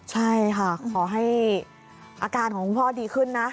ใช่ค่ะขอให้อาการของคุณพ่อดีขึ้นนะ